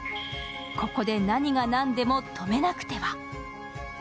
ここで、何が何でも止めなくては。